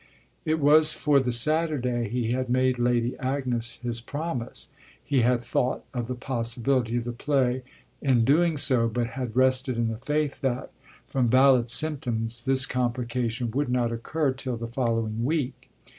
It was for the Saturday he had made Lady Agnes his promise; he had thought of the possibility of the play in doing so, but had rested in the faith that, from valid symptoms, this complication would not occur till the following week.